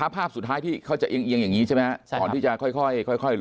ภาพสุดท้ายที่เขาจะเอียงอย่างนี้ใช่ไหมก่อนที่จะค่อย